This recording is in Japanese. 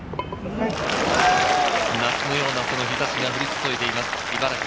夏のような日差しが降り注いでいます、茨城。